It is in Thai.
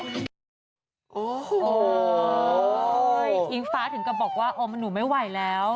ตอนนี้ฟ้าถึงก็บอกว่าโอ้หนูไม่ไหวแล้ว